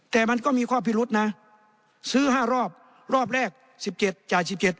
แต่มันก็มีข้อพิรุษนะซื้อ๕รอบรอบแรก๑๗จ่าย๑๗